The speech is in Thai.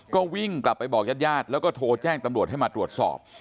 ก็วิ่งกลับไปบอกญาติญาติแล้วก็โทรแจ้งตำรวจให้มาตรวจสอบ